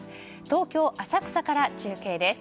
東京・浅草から中継です。